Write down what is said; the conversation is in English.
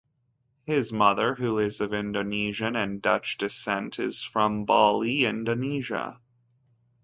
His mother, who is of Indonesian and Dutch descent, is from Bali, Indonesia.